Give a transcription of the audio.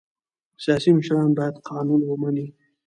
سیاسي مشران باید قانون ومني